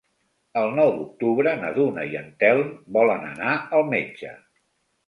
El nou d'octubre na Duna i en Telm volen anar al metge.